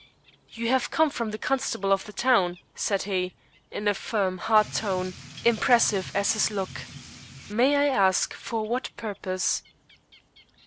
"You have come from the constable of the town," said he, in a firm, hard tone, impressive as his look. "May I ask for what purpose?"